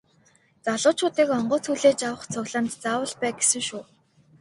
Залуучуудыг онгоц хүлээж авах цуглаанд заавал бай гэсэн шүү.